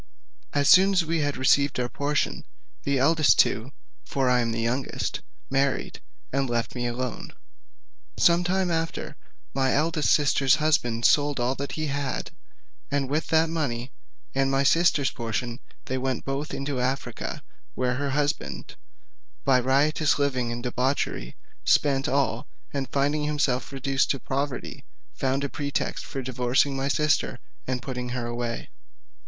As soon as we had received our portions, the two eldest (for I am the youngest) married, and left me alone. Some time after, my eldest sister's husband sold all that he had, and with that money and my sister's portion they went both into Africa, where her husband, by riotous living and debauchery' spent all; and finding himself reduced to poverty, found a pretext for divorcing my sister, and put her away.